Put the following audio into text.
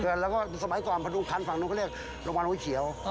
แล้วก็สมัยก่อนพดุงคันฝั่งนู้นเขาเรียกโรงพยาบาลหัวเขียว